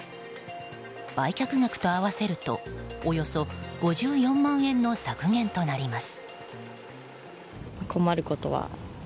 売却額と合わせるとおよそ５４万円の削減となります。